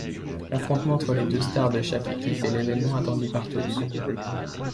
L'affrontement entre les deux stars de chaque équipe est l'événement attendu par tous.